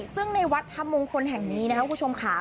ซึ่งในวัดธรรมมงคลแห่งนี้นะครับคุณผู้ชมค่ะ